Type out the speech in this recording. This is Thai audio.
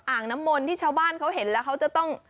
อ่างน้ำมนต์ที่ชาวบ้านเขาเห็นแล้วเขาจะต้อง